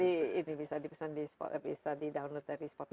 itu bisa di pesan di spotify bisa di download dari spotify